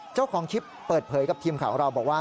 เจ้าของคลิปเปิดเผยกับทีมข่าวของเราบอกว่า